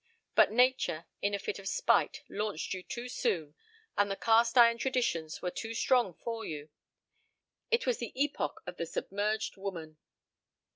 But nature in a fit of spite launched you too soon and the cast iron traditions were too strong for you. It was the epoch of the submerged woman."